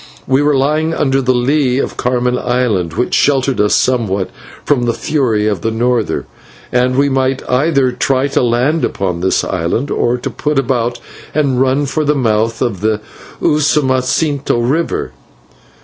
We were lying under the lee of Carmen Island, which sheltered us somewhat from the fury of the norther, and we might either try to land upon this island, or to put about and run for the mouth of the Usumacinto river.